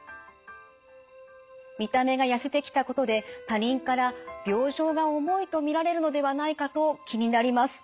見た目がやせてきたことで他人から病状が重いと見られるのではないかと気になります。